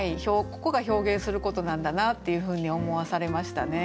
ここが表現することなんだなっていうふうに思わされましたね。